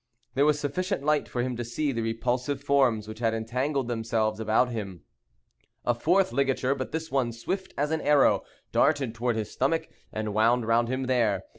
There was sufficient light for him to see the repulsive forms which had entangled themselves about him. A fourth ligature, but this one swift as an arrow, darted toward his stomach, and wound around him there.